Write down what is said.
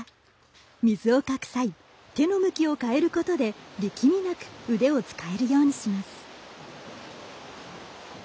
水をかく際、手の向きを変えることで力みにくく腕を使えるようにします。